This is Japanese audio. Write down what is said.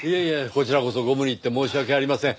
こちらこそご無理言って申し訳ありません。